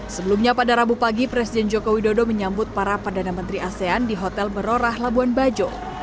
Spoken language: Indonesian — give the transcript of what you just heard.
sebelumnya pada rabu pagi presiden joko widodo menyambut para perdana menteri asean di hotel berorah labuan bajo